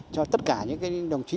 cho tất cả những cái đồng chí